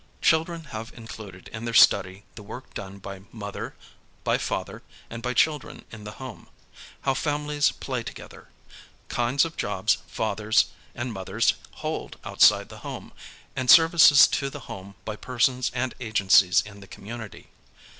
Children have included in their study the work done by mother, by father, and by children in the home; how families play together; kinds of jobs fathers and mothers hold outside the home; and services to the home by persons and agencies in the community.